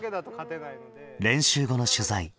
練習後の取材。